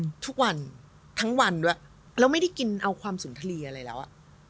คาดงั้นทุกวันทั้งวันด้วยเราไม่ได้กินเอาความสุนทรีย์อะไรแล้วอะ